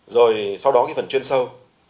rồi sau đó cái phần chuyên sâu